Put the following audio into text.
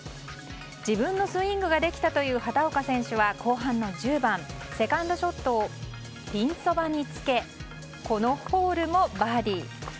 自分のスイングができたという畑岡選手は後半の１０番セカンドショットをピンそばにつけこのホールもバーディー。